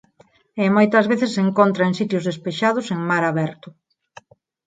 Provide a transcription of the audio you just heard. E moitas veces se encontra en sitios despexados en mar aberto.